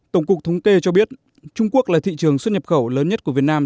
tổng cục thống kê cho biết trung quốc là thị trường xuất nhập khẩu lớn nhất của việt nam